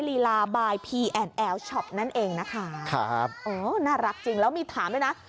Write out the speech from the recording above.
ลิลาบายชอปนั่นเองนะคะครับโอ้น่ารักจริงแล้วมีถามด้วย